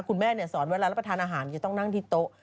คุณแม่เนี่ยสอนเวลาเอาไปทานอาหารจะต้องนั่งที่โต๊ะ